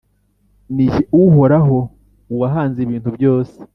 ni jye uhoraho, uwahanze ibintu byose!